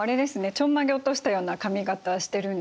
ちょんまげ落としたような髪形してるんですね。